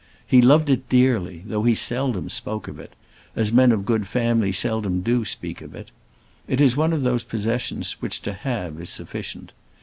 He loved it dearly, though he seldom spoke of it; as men of good family seldom do speak of it. It is one of those possessions which to have is sufficient.